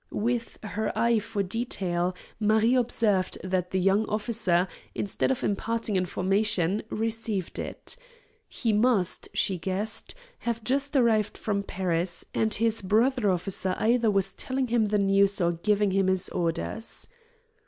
With her eye for detail Marie observed that the young officer, instead of imparting information, received it. He must, she guessed, have just arrived from Paris, and his brother officer either was telling him the news or giving him his orders.